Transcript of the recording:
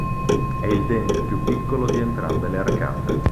È il dente più piccolo di entrambe le arcate.